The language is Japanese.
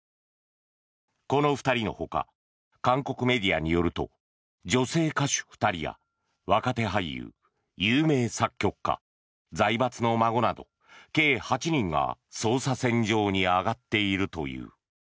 この２人のほか韓国メディアによると女性歌手２人や若手俳優有名作曲家財閥の孫など計８人が捜査線上に上がっているという。